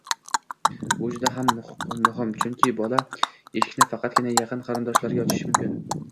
Bu juda ham muhim, chunki bola eshikni faqatgina yaqin qarishdoshlariga ochishi mumkin.